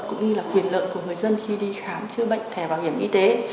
cũng như quyền lợi của người dân khi đi khám chứa bệnh thẻ bảo hiểm y tế